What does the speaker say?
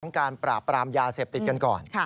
การปราบปรามยาเสพติดกันก่อน